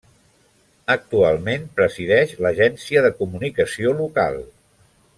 Actualment presideix l'Agència de Comunicació Local.